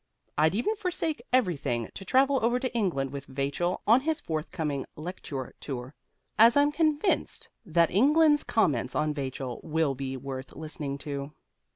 I'd even forsake everything to travel over to England with Vachel on his forthcoming lecture tour, as I'm convinced that England's comments on Vachel will be worth listening to.